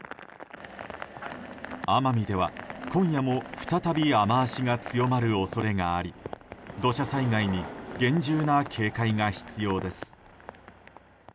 奄美では今夜も再び雨脚が強まる恐れがあり土砂災害に厳重な警戒が必要です。